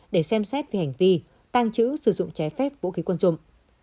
để xem xét về hành vi tăng trữ sử dụng trái phép vũ khí quân dụng